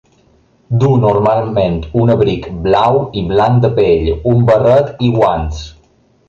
Duu normalment un abric blau i blanc de pell, un barret i guants.